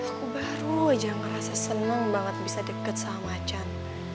aku baru aja ngerasa seneng banget bisa deket sama jan